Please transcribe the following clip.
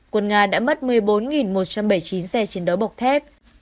quân nga đã mất một mươi bốn một trăm bảy mươi chín xe chiến đấu bọc thép